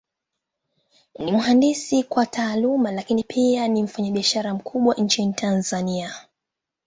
Ni mhandisi kwa Taaluma, Lakini pia ni mfanyabiashara mkubwa Nchini Tanzania.